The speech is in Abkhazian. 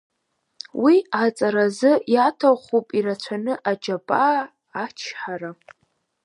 Уи аҵаразы иаҭахуп ирацәаны аџьабаа, ачҳара.